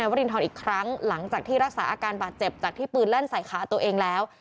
วรินทรอีกครั้งหลังจากที่รักษาอาการบาดเจ็บจากที่ปืนลั่นใส่ขาตัวเองแล้ว